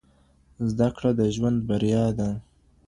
زده کړه د ژوند بریا ده.